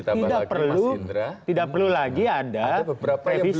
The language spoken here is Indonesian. tidak perlu tidak perlu lagi ada previsi